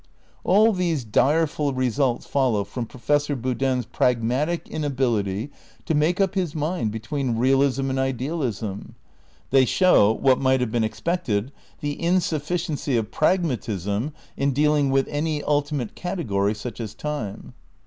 All these direful results follow from Professor Boo din's pragmatic inability to make up his mind be tween realism and idealism. They show — what might have been expected — the insufficiency of pragmatism in dealing with any ultimate category such as time.